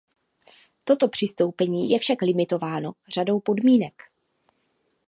Toto přistoupení je však limitováno řadou podmínek.